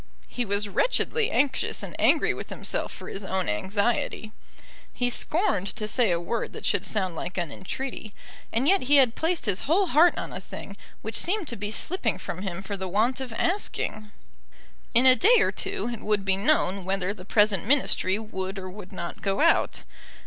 He was wretchedly anxious, and angry with himself for his own anxiety. He scorned to say a word that should sound like an entreaty; and yet he had placed his whole heart on a thing which seemed to be slipping from him for the want of asking. In a day or two it would be known whether the present Ministry would or would not go out.